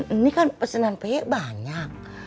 ini kan pesenan p banyak